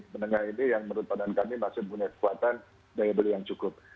menengah ini yang menurut badan kami masih punya kekuatan daya beli yang cukup